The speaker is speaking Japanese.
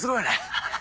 ハハハ。